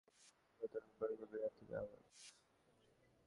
কিন্তু গত রোববার গভীর রাত থেকে আবারও কষ্ট বেড়েছে।